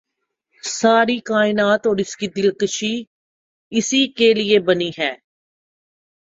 ساری کائنات اور اس کی دلکشی اس کے لیے بنی ہے